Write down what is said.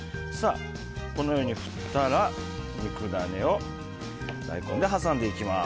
このように振ったら肉ダネを大根で挟んでいきます。